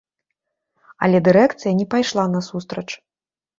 Але дырэкцыя не пайшла насустрач.